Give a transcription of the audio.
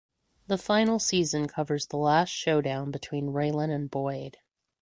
The final season covers the last showdown between Raylan and Boyd.